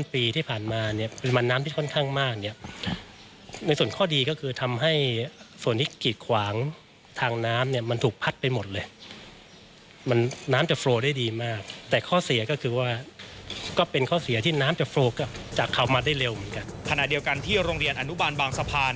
ขณะเดียวกันที่โรงเรียนอนุบาลบางสะพาน